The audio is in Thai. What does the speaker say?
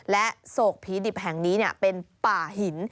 และโศกผีดิบแห่งนี้เป็นป่าหิน